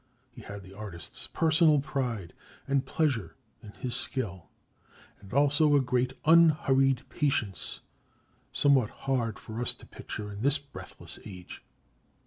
He had the artist's personal pride and pleasure in his skill, and also a great unhurried patience, somewhat hard for us to picture in this breathless age.